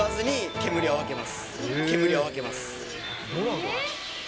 煙を吐けます。